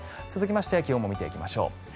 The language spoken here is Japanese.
続きまして気温も見ていきましょう。